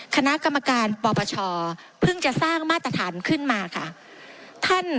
คณะกรรมการปปชเพิ่งจะสร้างมาตรฐานขึ้นมาค่ะ